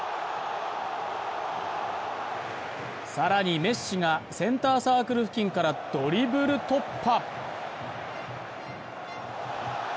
更にメッシがセンターサークル付近からドリブル突破。